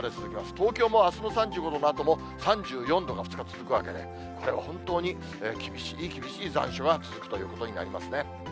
東京もあすの３５度のあとも３４度が２日続くわけで、これは本当に厳しい厳しい残暑が続くということになりますね。